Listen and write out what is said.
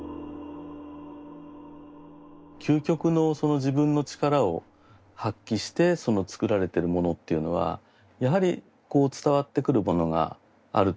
究極のその自分の力を発揮して作られてるものっていうのはやはり伝わってくるものがあると思うんですよね。